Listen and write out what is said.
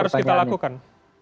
terima kasih pertanyaannya